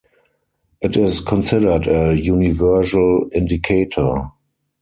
It is considered a "universal indicator".